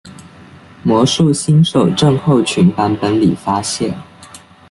魔术新手症候群版本里发现。